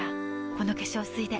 この化粧水で